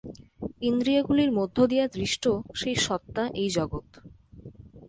ইন্দ্রিয়গুলির মধ্য দিয়া দৃষ্ট সেই সত্তা এই জগৎ।